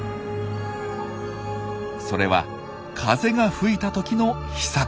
それは風が吹いた時の秘策。